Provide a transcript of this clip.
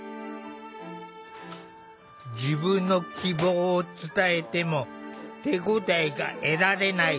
自分の希望を伝えても手応えが得られない。